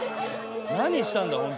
何したんだ本当に。